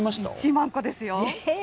１万個ですよ。